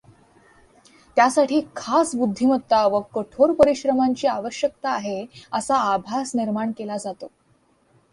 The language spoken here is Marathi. त्यासाठी खास बुध्दिमत्ता व कठोर परिश्रमांची आवश्यकता आहे, असा आभास निर्माण केला जातो.